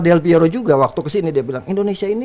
dl piero juga waktu kesini dia bilang indonesia ini